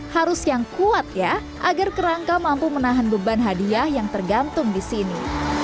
harus yang kuat ya agar kerangka mampu menahan beban hadiah yang tergantung di sini